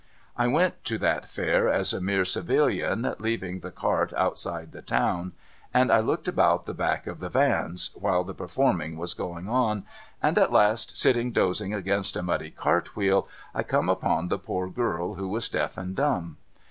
I went to that Fair as a mere civilian, leaving 392 DOCTOR MARIGOLD the cart outside the town, and I looked about the back of tlie Vans while the performing was going on, and at last, sitting dozing against a muddy cart wheel, I come upon the poor girl who was deaf and dumb.